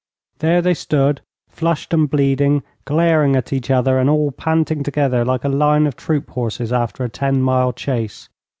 There they stood, flushed and bleeding, glaring at each other, and all panting together like a line of troop horses after a ten mile chase.